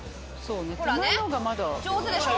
ほらね上手でしょ。